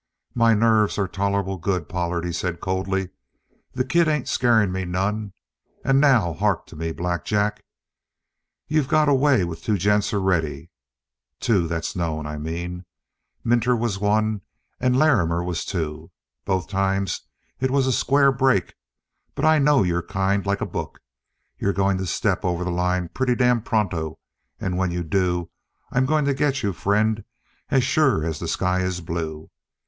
"My nerves are tolerable good, Pollard," he said coldly. "The kid ain't scaring me none. And now hark to me, Black Jack. You've got away with two gents already two that's known, I mean. Minter was one and Larrimer was two. Both times it was a square break. But I know your kind like a book. You're going to step over the line pretty damn pronto, and when you do, I'm going to get you, friend, as sure as the sky is blue!